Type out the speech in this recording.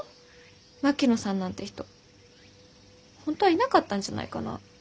槙野さんなんて人本当はいなかったんじゃないかな？